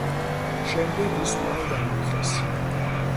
შემდეგ ის კვლავ დამარხეს.